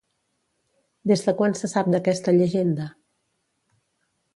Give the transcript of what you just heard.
Des de quan se sap d'aquesta llegenda?